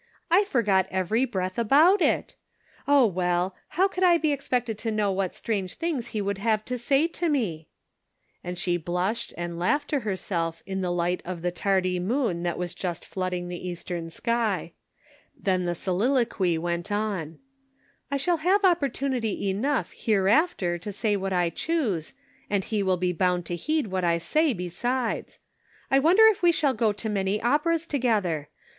I forgot every breath about it ! Oh, well, how could I be expected to know what strange things he would have to say to me ?" And she blushed and laughed to herself in the light of the tardy moon that was just flooding the eastern sky. Then the soliloquy went on :" I shall have opportunity enough hereafter to say what I choose, and he will be bound to heed what I say, besides. I wonder if we shall go to many operas together?